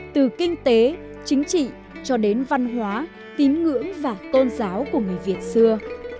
từ kinh tế chính trị cho đến văn hóa tín ngưỡng và tôn giáo của người việt xưa